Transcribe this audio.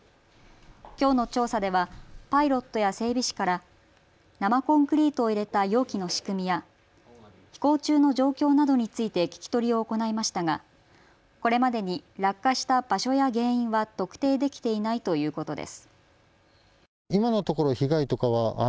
きょうの調査ではパイロットや整備士から生コンクリートを入れた容器の仕組みや飛行中の状況などについて聞き取りを行いましたがこれまでに落下した場所や原因は特定できていないということです。